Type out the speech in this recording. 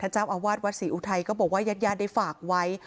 เจ้าอาวาสวัดศรีอุทัยก็บอกว่าญาติญาติได้ฝากไว้